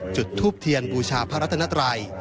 จุดทูบเทียนบูชาพระรัตนัตรัย